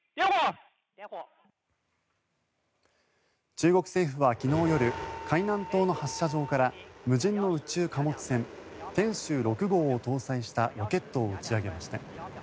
中国政府は昨日夜海南島の発射場から無人の宇宙貨物船天舟６号を搭載したロケットを打ち上げました。